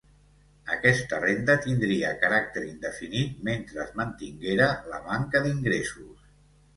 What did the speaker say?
Aquesta renda tindria caràcter indefinit mentre es mantinguera la manca d’ingressos.